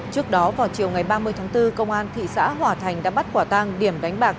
trước đó vào chiều ngày ba mươi tháng bốn công an thị xã hòa thành đã bắt quả tang điểm đánh bạc